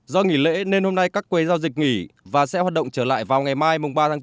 do nghỉ lễ nên hôm nay các quầy giao dịch nghỉ và sẽ hoạt động trở lại vào ngày mai mùng ba tháng chín